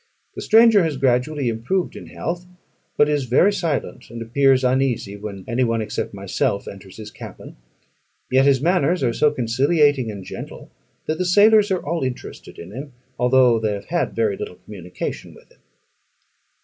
The stranger has gradually improved in health, but is very silent, and appears uneasy when any one except myself enters his cabin. Yet his manners are so conciliating and gentle, that the sailors are all interested in him, although they have had very little communication with him.